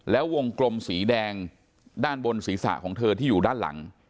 แล้ววงกลมสีแดงด้านบนศีรษะของเธอที่อยู่ด้านหลัง